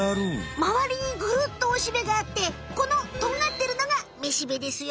まわりにぐるっとおしべがあってこのとんがってるのがめしべですよ。